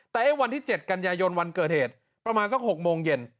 แต่ไอ้วันที่๗กันยายนวันเกิดเหตุประมาณสัก๖โมงเย็น